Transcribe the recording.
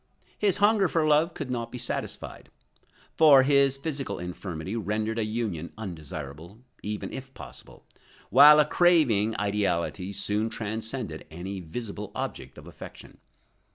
His hunger for love could not be satisfied, for his physical infirmity rendered a union undesirable, even if possible, while a craving ideality soon transcended any visible object of affection.